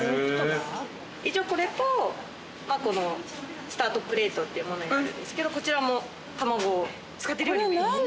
一応これとこのスタートプレートっていうものになるんですけどこちらも卵を。